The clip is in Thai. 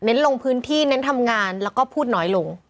ลงพื้นที่เน้นทำงานแล้วก็พูดน้อยลง